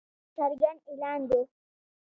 د جنګ څرګند اعلان دی.